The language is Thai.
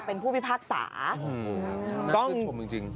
แล้วไปทำงานต่อเมืองเหรอ